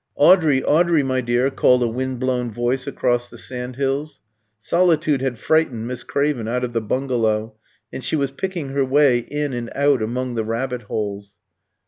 "Audrey, Audrey, my dear!" called a wind blown voice across the sand hills. Solitude had frightened Miss Craven out of the bungalow, and she was picking her way in and out among the rabbit holes.